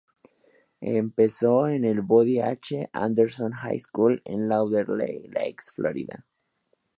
Empezó en el Boyd H. Anderson High School en Lauderdale Lakes, Florida.